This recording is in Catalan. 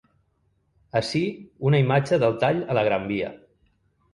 Ací, una imatge del tall a la Gran Via.